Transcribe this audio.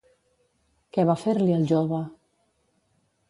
Què va fer-li al jove?